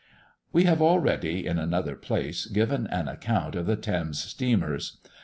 We have already, in another place, given an account of the Thames steamers.